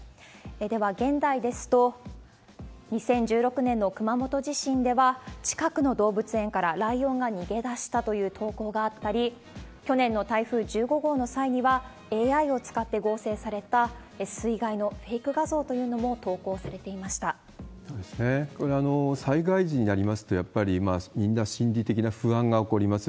では、現代ですと、２０１６年の熊本地震では、近くの動物園からライオンが逃げ出したという投稿があったり、去年の台風１５号の際には、ＡＩを使って合成された水害のフェイク画像というのも投稿されてこれ、災害時になりますと、やっぱりみんな心理的な不安が起こります。